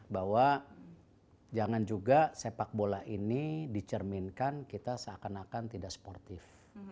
bahwa jangan juga sepak bola ini dicerminkan kita seakan akan tidak sportif